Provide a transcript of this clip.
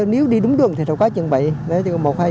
nếu đi đúng đường thì không có chuyện bậy